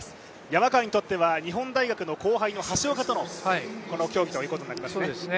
山川にとっては日本大学の後輩の橋岡とのこの競技ということになりますね。